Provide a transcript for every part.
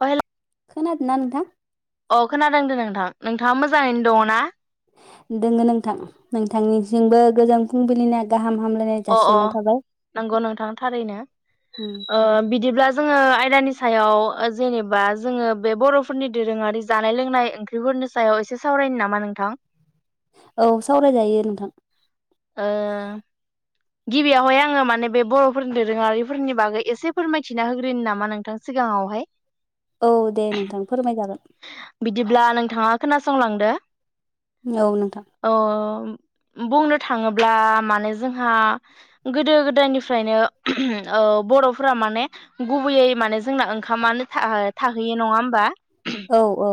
अ hello खोनादोंना नोंथां अ खोनादों दे नोंथां नोंथाङा मोजाङैनो दङ ना दङो नोंथां नोंथांनिजोंमबो गोजोन फुंबिलिनि गाहाम हामलायनाय अ अ जासिहरनाय थाबाय नंगौ नोंथां थारैनो उम ओ बिदिब्ला जोङो आयदानि सायाव ओ जेनेबा जोङो बे बरफोरनि दोरोङारि जानाय लोंनाय ओंख्रिफोरनि सायाव एसे सावरायनो नामा नोंथां औ सावरायजायो नोंथां ओ गिबियावहाय आङो माने बे बरफोरनि दोरोङारिफोरनि बागै एसे फोरमायथिना होग्रो नामा नोंथां सिगाङावहाय औ दे नोंथां फोरमाय जागोन। बिदिब्ला नोंथाङा खोनासंलांदो औ नोंथां अह बुंनो थाङोब्ला माने जोंहा गोदो गोदायनिफ्रायनो बरफोरा ओ माने गुबैयै माने जोंना ओंखामानो था-थाहैयो नङा होमबा औ औ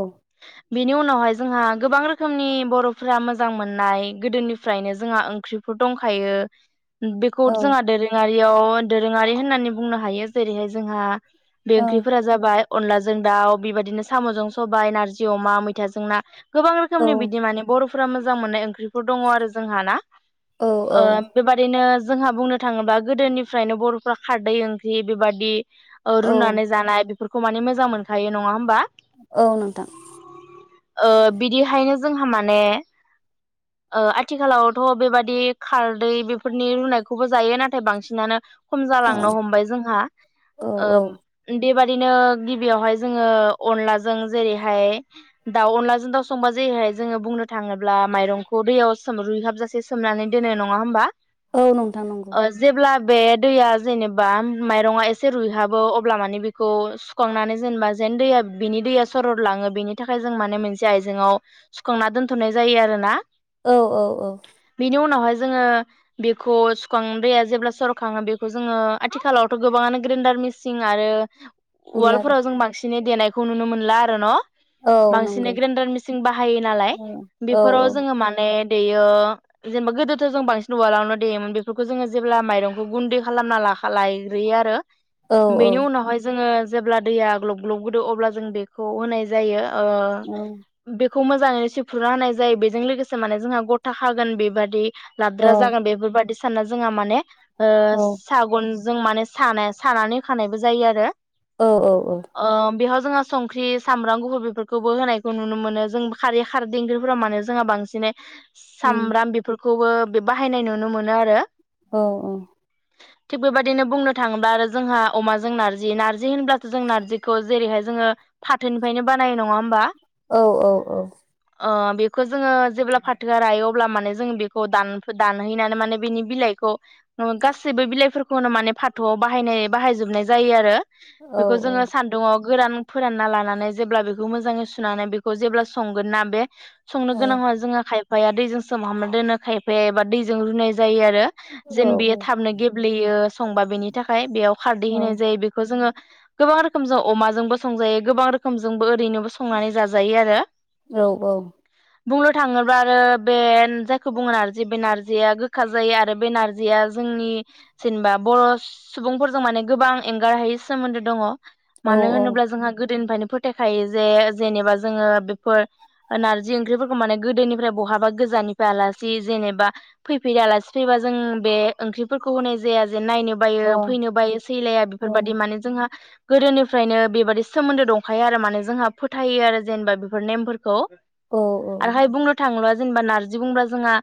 बेनि उनावहाय जोंहा गोबां रोखोमनि बर'फोरा मोजां मोननाय गोदोनिफ्रायनो जोंहा ओंख्रिफोर दंखायो। बेखौ औ जोंहा दोरोङा याव दोरोङारि होननानै बुंनो हायो जेरैहाय जोंहा बे औ ओंख्रिफोरा जाबाय अनलाजों दाउ बेबायदिनो स सामजों सबाय नारजि अमा मैथाजों ना गोबां रोखोमनि बिदि माने बरफ फोरा मोजां मोननाय ओख्रि दङ आरो जोंहा ना औ ओ बेबायदिनो जोंहा बुंनो थाङोब्ला गोदोनिफ्रायनो बर'फ्रा खारदै ओंख्रि बेबादि ओ औ रुनानै जानाय बेफोरखौ खौ माने मोजां मोनखायो नङा होमबा औ नोंथां ओ बिदिहायनो जोंहा माने आथिखालावथ बेबादि खारदै बेफोरनि रुनायखौबो जायो नाथाय बांसिनानो खम औ जालांनो हमबाय जोंहा औ औ ओम बेबादिनो गिबियावहाय जोङो अनलाजों जेरैहाय दाउ अनलाजों दाउ संबा जेरैहाय जोङो बुंनो थाङोब्ला माइरंखौ दैयाव रुइहाबजासे सोमनानै दोनो नङा होमबा औ नोंथां नंगौ ओ जेब्ला बे दैया जेनेबा माइरङा एसे रुइहाबो अब्ला माने बेखौ सुखांनानै जेनेबा जेन दैया बिनि दैया सरद लाङो बेनि थाखाय जों माने मोनसे आइजेंआव सुखांना दोनथनाय जायो आरोना औ औ औ बेनि उनावहाय जोङो बेखौ सुखां दैया जेब्ला सरखाङो बेखौ जोङो आथिखालावथ' गोबाङानो ग्रेन्डार मिसिं आरो उलार वार्ल्डफोराव जों बांसिनै देनाय खौ नुनो मोनला आरो न' औ बांसिन नंगौ ग्रेन्डार मिसिंन बाहायो नालाय औ औ बेफोराव जोङो माने देयो जेनेबा गोदोथ जों बांसिन उवालावनो देयोमोन बेफोरखौ जोङो जेब्ला माइरंखौ गुन्दै खालामना लाखा लायग्रोयो आरो औ बेनि उनावहाय जोङो जेब्ला दैया ग्लब ग्लब गोदौवो अब्ला जों बेखौ होनाय जायो औ ओ बे खौ मोजाङैनो सिुफ्रुना होनाय जायो बेजों लोगोसे माने जोंहा गथा खागोन बेबादि लाद्रा जागोन बेफोरबायादि साना जोंहा माने ओ औ सागन जों माने सानाय सानानै होखानायबो जायो आरो औ औ औ ओ बेयाव जोंहा संख्रि सामब्राम गुफुर बेफोरखौबो होनायखौ नुनो मोनो जों खारै खारदै ख्रिफोराव मानो जोंहा बांसिनै उम सामब्राम बेफोरखौ खौबो बे बाहायनाय नुनो मोनो आरो औ औ थिग बेबायदिनो बुंनो थाङोब्ला आरो जोंहा अमाजों नार्जि नार्जि होनब्लासो जों नारजिखौ जेरैहाय जोङो फाथोनिफ्रायनो बानाय नङा होमबा औ औ औ बेखौ जोङो जेब्ला फाथोआ रायो अब्ला माने जों बेखौ दान दानहैनानै माने बेनि बिलाइखौ गासैबो बिलाइफोरखौनो माने फाथोआव बाहायनाय बाहायजोबनाय जायो आरो औ बेखौ जोङो सानदुङाव गोरान फोरानना लानानै जेब्ला बेखौ मोजाङै सुनानै बेखौ जेब्ला संगोन ना बे संनो औ गोनां होआ जोंहा खाय आफफाया दैजों सोमहाबना दोनो खायफाया एबा दैजों रुनाय जायो आरो जेन औ बियो औ थाबनो गेब्लेयो संबा बेनि थाखाय बेयाव खारदै औ होनाय जायो बेखौ जोङो गोबां रोखोम जों अमाजोंबो संजायो गोबां रोखोम जों ओैनो संनानै जाजायो आरो औ बुंनो थाङोब्ला आरो बे जायखौ बुङो नारजि बे नारजिया गोखा जायो आरो बे नारजिया जोंनि जेनेबा बर' सुबुंफोरजों माने गोबां एंगारहायै सोमोन्दो दङ औ मानो औ होनोब्ला गोदोनिफ्रायनो फोथायखायो जे जेनेबा जोङो बेफोर नारजि ओंख्रिफोरखौ माने गोदोनिफ्राय बहाबा गोजाननिफ्राय आलासि जेनेबा फैफेरै आलासि फैबा जों बे ओंख्रिफोरखौ होनाय जाया नायनो अ बायो फैनो बायो सैलाया औ बेफोरबायाददि माने जोंहा गोदोनिफ्रायनो बेबादि सोमोन्दो दंखायो आरो माने जोंहा फोथायो आरो जेनेबा बेफोर नेमफोर खौ औ आरोहाय बुंनो थांब्ला जेनेबा नारजि बुंबा जोंहा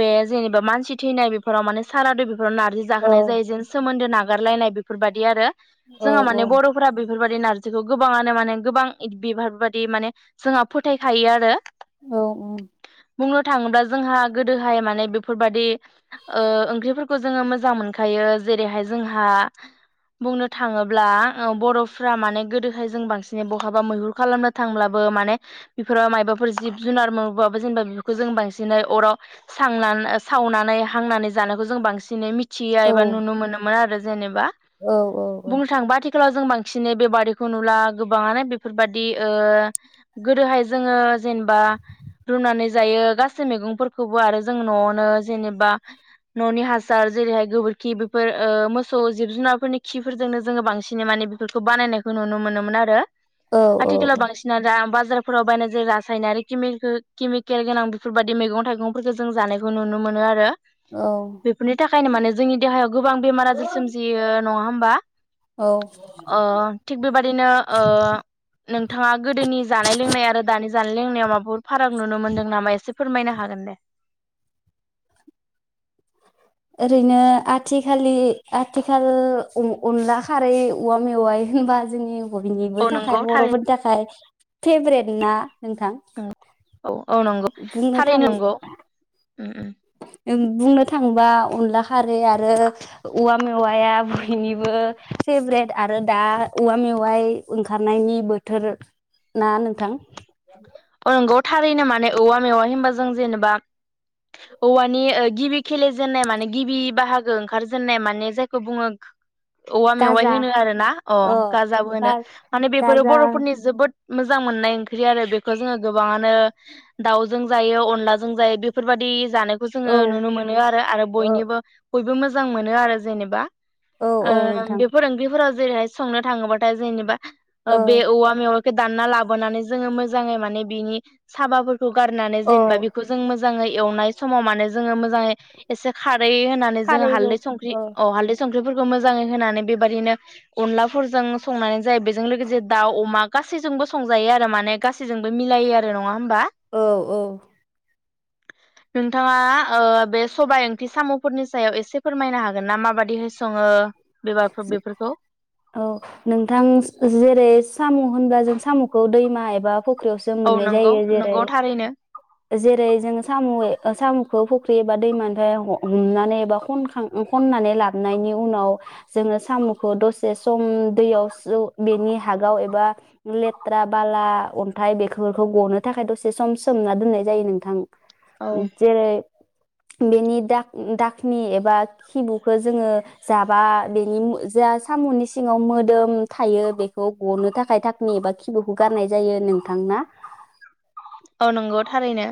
बे जेनेबा मानसि थैनाय बेफोराव माने सारादु नारजि औ जाहोनाय जेन सोमोन्दो नागा हगारलायनाय बेफोरबायदि आरो। औ जोंहा माने औ बर'फोरा बे बेफोरबायदि नारजि खौ गोबाङानो माने गोबां बिफोर बादि माने जोंहा फोथायखायो आरो। औ औ बुंनो थाङोब्ला जोंहा गोदोहाय माने बेफोरबायदि ओंख्रिफोरखौ जोङो मोजां मोनखायो जेरैहाय जोंहा बुंनो थाङोब्ला बर'फ्रा माने गोदोहाय जों बांसिनै बहाबा मैहुर खालामनो थांब्लाबो माने बेफोर मायबाफोर जिब जुनार मोनबोबाबो जेनेबा बेफोरखौ जों बांसिनै अराव स-सावनानै हांनानै जानायखौ जों बांसिनै थिया औ एबा नुनो मोनोमोन आरो। जेनब बा औ औ बुंनो थाङोबा आथिखाव जों बांसिनै बे बारि खौ नुला गोबाङानो बेफोरबादि ओ गोदोहाय जोङो जेनेबा रुनानै जायो गासै मैगंफोरखौबो आरो जों न'आवनो जेनेबा न'नि हासार जेरैहाय गोबोरखि बेफोर ओ मोसौ जिब जुनारफोरनि खिफोरजोंनो जोङो बांसिनै माने बेफोरखौ बानायनाय खौ नुनो मोनोमोन आरो। औ औ आथिखालाव बांसिना दा बा बाजारफोराव बायनाय जे रासायनारि केमिको-केमिकेल गोनां बेफोरबायदि मैगं थाइगंफोरखौ जों जानायखौ नुनो मोनो आरो। बेफोरनि थाखायनो माने जोंनि देहायाव गोबां बेमार आजार सोमजियो। नङा होमबा? औ बेबायदिनो ओ नोंथाङा गोदोनि जानाय लोंनाय आरो दानि जानाय लोंनायाव माबाफोर फाराग नुनो मोनदों नामा एसे फोरमायनो हागोन दे। ओरैनो आथिखालि आथिखाल अ अनला खारै औवा मेवाइ होनबा जोंनि बयनिबो औ नंगौ थाखाय थारैनो बर'फोरनि थाखाय फेभरेट ना नोंथां नंगौ औ औ नंगौ बुंनो थां थारैनो नंगौ उम उम ओं बुंनो थाङोबा अनला खारै आरो उवा मेवाइआ बयनिबो फेभरेट आरो दा उवा मेवाइ ओंखारनायनि बोथोर ना नोंथां? नोंगौ थारैनो माने औवा मेवाइ होमबा जों जेनेबा औवानि ओ गिबि खेलेजेननाय माने गिबि बाहागो ओंखार जेननाय माने जायखौ बुङो औवा मेवाइ गाजा होनो आरोना अ ओ गाजाबो होनो माने बेफोरो गा-गाजा बर'फोरनि जोबोद मोजां मोननाय ओंख्रि आरो बे खो जोङो गोबाङानो दाउजों जायो अनलाजों जायो बेफोरबादि जानायखौ जोङो औ नुनो मोनो आरो आरो ओ बयनिबो बयबो मोजां मोनो आरो जेनेबा औ ओ औ नोंथां बेफोर ओंख्रिफोरा जेरैहाय संनो थाङोबाथाय जेनेबा ओ बे औवा मेवाइ फेदानना लाबोनानै जोङो मोज मोजै माने बिनि साबाफोर खोगारनानै औ जेनेबा बेखौ जों मोज मोजाङै एवनाय समाव माने जोङो मोजाङै एसे खा रै होनानै जोङो खारै रौ हालदै संख्रि ओ अ हालदै सं बेफोरखो मोजाङै होनानै बेबायाददिनो अनलाफोरजों संनानै जाय बेजों लोगोसे दाउ अमा गासैजोंबो संजायो आरो माने गासैजोंबो मिलायो आरो नङा होमबा? औ औ नोंथाङा ओ बे सबाय ओंथि सामुफोरनि सायाव एसे फोरमायना हागोन ना माबादिहै सङो बेबाफोर बेफोरखौ औ नोंथां जेरै सामु होनब्ला जों सामु खौ दैमा एबा फ ख्रिावसो औ मोननाय नंगौ जायो जेरै नंगौ थारैनो जेरै जोंङो सामु ए ओ सामुखौ फ फख्रि एबा दैमानफ्राय हमनानै एबानखां खननानै लाबनायनि उनाव जोङो साम खौ दसे सम दैयाव बेनि हागाव एबा लेथ्रा बाला अन्थाइ बेफोरखौ गनो थाखाय दसे सम सोमना दोननाय जायो नोंथां। औ जेरै बेनि दा दाखनि एबा खिबुखौ जोङो जाबा बेनि जा साम नि सिङाव मोदोम थायो बेखौ गनो थाखाय थाखनि एबा खिबुखौ गारनाय जायो नोंथां ना औ नंगौ थारैनो।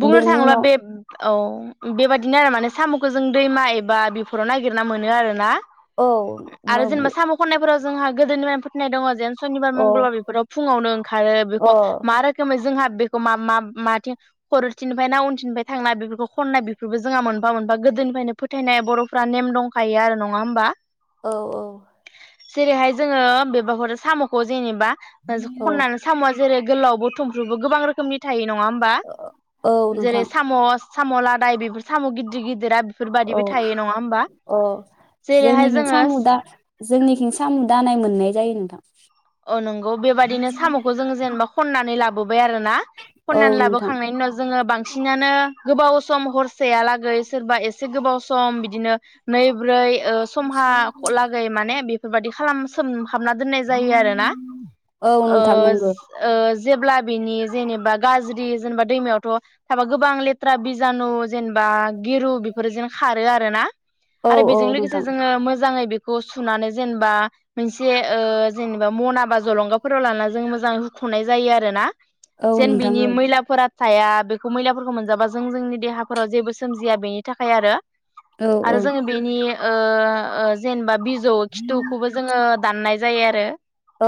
बुंनो बेनि थाङोबा उनाव बे औ बेबादिनो आरो माने साम खौ जों दैमा एबा बेफोराव नागिरना मोनो आरो ना औ आरो जेनबा साम खननायफोराव जोंहा गोदोनि होननाय दङ जेन सनिबार औ मंगलबार बेफोराव फुङावनो ओंखारो अ औ बेखौ मा रोखोमै जोंहा बेखौ मा मा माथिं खर थिनिफ्राय ना उनथिनिफ्राय थांनाय बेफोरखौ खननाय बेफोरबो जोंहा मोनफा मोनफा गोदोनिफ्रायनो फोथायनाय बरफ्रा नेम दंखायो आरो नङा होमबा? औ औ जेरैहाय जोङो बेबा [unintelligible] साम खौ जेने बा [unintelligible] औ खनना साम आ जेरै गोलावबो थुमफ्रुब गोबां रोखोमनि थायो। नङा होमबा औ जेरै नोंथां सामस साम लादाय बेफोर साम गिदिर गिदिरा औ बेफोरबायदिबो थायो नङा होमबा अ जेरैहाय जोंनिखि जोङो साम दा जोंनिखि साम दानाय मोननाय जायोमोन। [inaudible] अ नंगौ बेबायदिनो सामखौ जोंङो जेनबा खननानै लाबो बाय आरोना औ खननानै नोंथां लाबोखांनायनि उनाव जोङो बांसिनानो गोबाव सम हरसेयालागै सोरबा एसे गोबाव सम बिदिनो नै ब्रै ओ समहा लागै माने बे फोरबायदि खालाम सोम हाबना दोननाय जायो आरो। ना औ नोंथां ओज नंगौ ओज। जेब्ला बिनि जेनेबा गाज्रि जेनेबा दैमायावथ थाबा गोबां लेथ्रा बिजानु जेनेबा गिरु बेफोरजों खारो आरोना। औ आरो औ बेजों लोगोसे नोंथां जोङो मोजाङै बे खौ सुनानै जेनेबा मोनसे ओ जेन बा मना बा जलंगाफोराव लानानै जों मोजां हुखनाय जायो आरोना। औ जेन नोंथां बिनि औ मैलाफोरा थाया बेखौ मैलाफोरखौ मोनजाबा जों जोंनि देहाफोराव जेबो सोमजिया बेनि थाखाय आरो। औ आरो जोङो बेनि ओ ओ जेनेबा जौ खिथुखौबो जोङो दाननाय जायो आरो।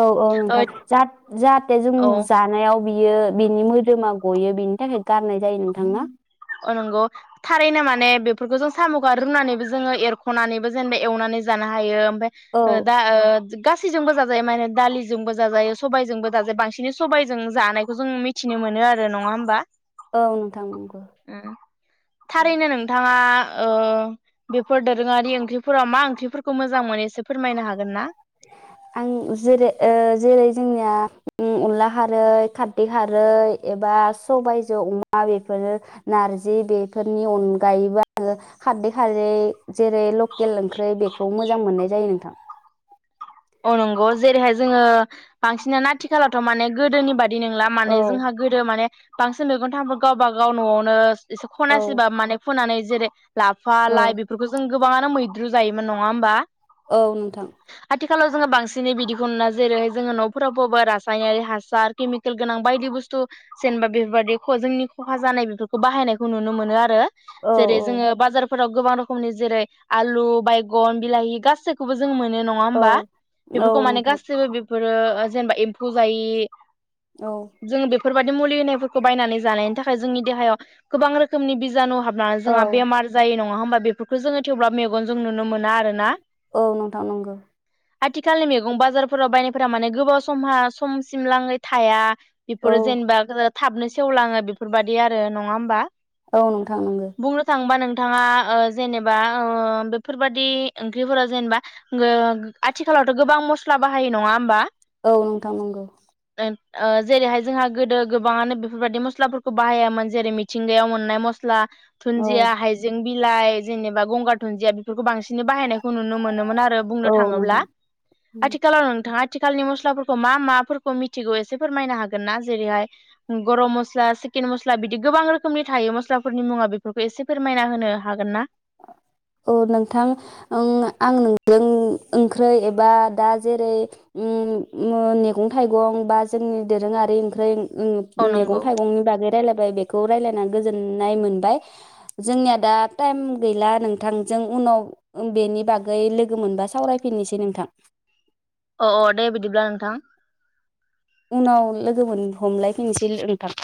औ औ नोंथां जा-जाहाथे जों औ जानायाव बियो बिनि मोदोमा गयो बिनि थाखाय गारनाय जायो नोंथाङा। अ नंगौ थारैनो माने बेफोरखौ जों सामखौ रुनानैबो जोङो एरखनानैबो जेनेबा एवनानै जानो औ हायो। दा हो गासै जोंबो जाजोब जायो माने दालिजोंबो जाजायो सबायजोंबो जाजायो बांसिनै सबायजों जानायखौ जों मिथिनो मोनो आरो नङा होमबा। औ नोंथां नंगौ। ओं थारैनो नोंथाङा ओ बेफोर दोरोङारि ओंख्रिफोराव मा ओंख्रिफोरखौ मोजां मोनो एसे फोरमायनो हागोन ना? आं जेरै ओ जेरै जोंनिया अनला खारै खारदै खारै एबा सबायजो अमा बेफोरो नारजि बेफोरनि अनगायैबो आङो खार्दै खारै जेरै लकेल ओंख्रै बेखौ मोजां मोननाय जायो नोंथां। अ नंगौ जेरैहाय जोङो बांसिनानो आथिखालावथ माने गोदोनि बा दि नंला औ माने जोंहा गोदो माने [unintelligible] गावबा गाव नआवनो एसे औ खनासिबा माने फुनानै जेरै लाफा औ लाइ बेफोरखौ जों गोबाङानो मैद्रु जायोमोन नङा होमबा। औ नोंथां आथिखालाव जोङो बांसिनै बिदिखौ नुना जेरैहाय जोङो नफोराव बबा रासायनारि हासार केमिकेल गोनां बायदि बुस्थु जेनेबा बेफोरबायदि जोंनि खहा जानाय बेफोरखौ बाहायनायखौ नुनो मोनो आरो औ जेरै औ जोङो बाजारफोराव गोबां रोखोमनि जेरै आलु बायगन बिलाहि गासैखौबो जों मोनो नङा औ हबा औ बेफोरखौ माने नोंथां गासिबो बेफोरो जेनेबा एम्फौ जायि औ जों बे बेफोरबायाददि मुलि होनायफोरखौ बायनानै जानायनि थाखाय जोंनि देहायाव गोबां रोखोमनि बिजानु हाब औ जोंहा बेमार जायो नङा होमबा नङा होमबा बेफोरखौ जोङो थेवब्ला मेगनजों नुनो मोना आरोना औ नोंथां नंगौ आथिखालनि मैगं बाजारफोराव बायनायफोरा माने गोबाव समहा समसिम लाङै थाया औ इफोरो जेनबा गोरा थाबनो सेवलाङो बेफोरबायदि आरो नङा होमबा औ नोंथां नोंगौ बुंनो थाङोबा नोंथाङा ओ जेनेबा ओ बेफोरबादि ओंख्रिफोरा जेनेबा ओ आथिखालावथ गोबां मस्ला बाहायो नङा होमबा औ नोंथां नंगौ ओ जेरैहाय जोंहा गोदो गोबाङानो बेफोरबायदि मस्लाफोरखौ बाहायामोन जेरै मिथिंगायाव मोननाय मस्ला औ दुन्दिया हाइजें बिलाइ जेनेबा गंगार दुुनदिया बेफोरखौ बांसिनै बाहायनायखौ नुनो मोनोमोन आरो बुं औ थाङोब्ला नोंथां उम आथिखालाव नोंथाङा थि आथिखालनि मस्लाफोरखौ मा माफोरखौ मिथिगौ एसे फोरमायनो हागोन ना जेरैहाय गरम मस्ला सिकेन मस्ला बिदि गोबां रोखोमनि थायो मस्लाफोरनि मुङा बेफोरखौ एसे फोरमायना होनो हागोन ना औ नोंथां उम आं नोंजों ओंख्रै एबा दा जेरै उम मैगं थाइगं बा जोंनि दोरोङारि ओंख्रै उम औ मैगं नंगौ थाइगंनि बागै रायलाय बेखौ रायज्लायनानै गोजोननाय मोनबाय जोंनिया दा टाइम गैला नोंथांजों उनाव बेनि बागै लोगो मोनबा सावरायफिननोसै नोंथां अ अ दे बिदिब्ला नोंथां उनाव लोगो हमलायफिननोसै नोंथां